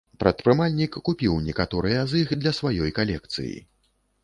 Прадпрымальнік купіў некаторыя з іх для сваёй калекцыі.